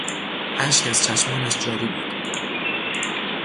اشک از چشمانش جاری بود.